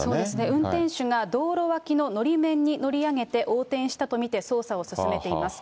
運転手が道路脇ののり面に乗り上げて横転したと見て、捜査を進めています。